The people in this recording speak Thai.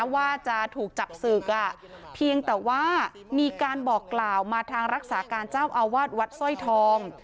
ว่าจะถูกจับศึกเพียงแต่ว่ามีการบอกกล่าวมาทางรักษาการเจ้าอาวาสวัดสร้อยทอง